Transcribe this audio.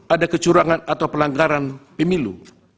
ada kecurangan atau pelanggaran pemilu